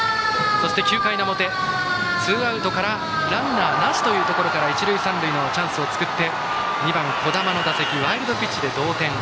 そして９回の表、ツーアウトランナーなしというところから一塁、三塁のチャンスを作って樹神の打席ワイルドピッチで同点。